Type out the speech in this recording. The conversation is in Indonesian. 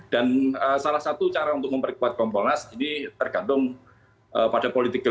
dan salah satu cara untuk memperkuat kompolnas ini tergantung pada politiknya